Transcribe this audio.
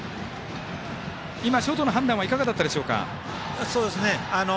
今、ショートの判断はいかがだったでしょうか。